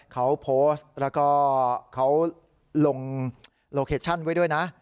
เขาโพสต์แล้วก็เขาลงโลเคชั่นไว้ด้วยนะ